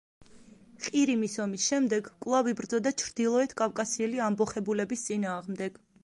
ყირიმის ომის შემდეგ კვლავ იბრძოდა ჩრდილოეთ კავკასიელი ამბოხებულების წინააღმდეგ.